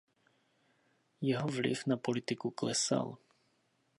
Jeho vliv na politiku klesal.